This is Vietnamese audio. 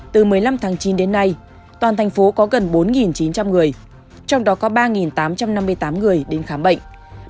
từ một mươi năm tháng chín đến nay toàn thành phố có gần bốn chín trăm linh người trong đó có ba tám trăm năm mươi tám người đến khám bệnh